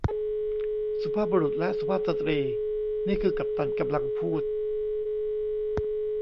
สุภาพบุรุษและสุภาพสตรี นี่คือกัปตันกำลังพูด